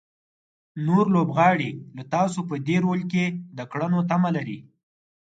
نور لوبغاړي له تاسو په دې رول کې د کړنو تمه لري.